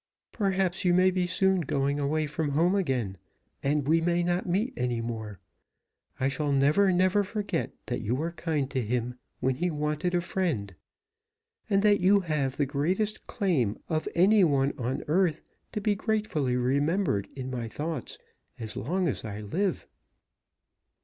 Perhaps you may be soon going away from home again, and we may not meet any more. I shall never, never forget that you were kind to him when he wanted a friend, and that you have the greatest claim of any one on earth to be gratefully remembered in my thoughts as long as I live."